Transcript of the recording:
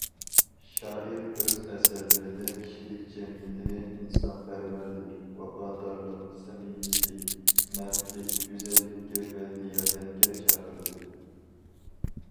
شائىر ئۆز ئەسەرلىرىدە كىشىلىك جەمئىيىتىنى ئىنسانپەرۋەرلىك، ۋاپادارلىق، سەمىمىيلىك، مەردلىك، گۈزەللىككە ۋە دىيانەتكە چاقىردى.